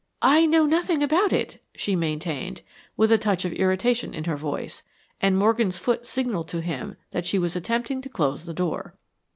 "I know nothing about it," she maintained, with a touch of irritation in her voice, and Morgan's foot signaled to him that she was attempting to close the door.